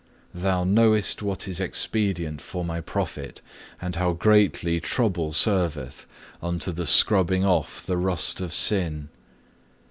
Thou knowest what is expedient for my profit, and how greatly trouble serveth unto the scrubbing off the rust of sin.